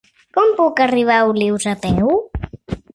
Com puc arribar a Olius a peu?